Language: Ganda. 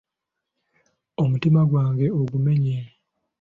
Omutima gwange ogumenya!